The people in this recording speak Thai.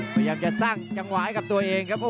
พยายามจะสร้างจังหวะให้กับตัวเองครับ